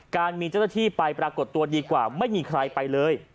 การมีเจ้าหน้าที่ไปปรากฏตัวดีกว่าไม่มีใครไปเลย